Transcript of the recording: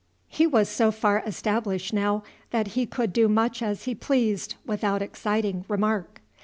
He was so far established now that he could do much as he pleased without exciting remark.